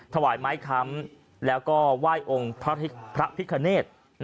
ถวายไม้คำแล้วก็ไหว้องค์พระพิคเนธ